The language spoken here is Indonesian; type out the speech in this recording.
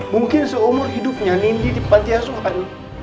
mungkin seumur hidupnya nindi di panti asuhan